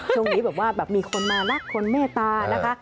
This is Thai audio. ช่วงนี้แบบว่าแบบมีคนมารักคนเมตตานะคะ